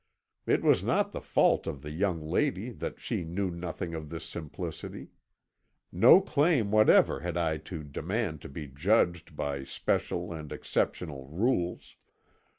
It was not the fault of the young lady that she knew nothing of this simplicity. No claim whatever had I to demand to be judged by special and exceptional rules.